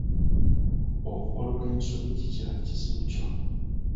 Okugolola ensobi kikyali kizibu kyo.